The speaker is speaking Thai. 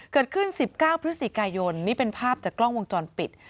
เกิดขึ้น๑๙พฤศจิกายนนี่เป็นภาพจากกล้องวงจรปิด